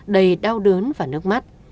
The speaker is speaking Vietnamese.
đầy đau đớn và nước mắt